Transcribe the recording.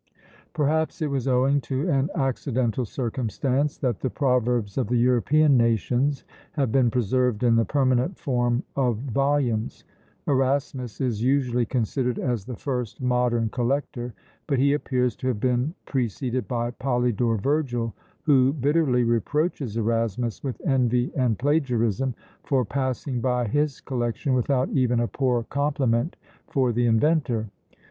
Perhaps it was owing to an accidental circumstance that the proverbs of the European nations have been preserved in the permanent form of volumes. Erasmus is usually considered as the first modern collector, but he appears to have been preceded by Polydore Vergil, who bitterly reproaches Erasmus with envy and plagiarism, for passing by his collection without even a poor compliment for the inventor!